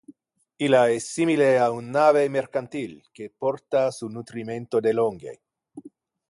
Illa es simile a un nave mercantil que porta su nutrimento de longe.